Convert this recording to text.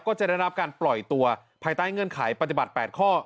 ก็จะได้รับการปล่อยตัวภายใต้เงื่อนไขปฏิบัติ๘ข้อ